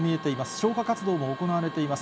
消火活動も行われています。